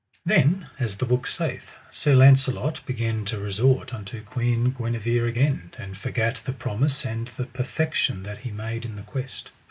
Then, as the book saith, Sir Launcelot began to resort unto Queen Guenever again, and forgat the promise and the perfection that he made in the quest.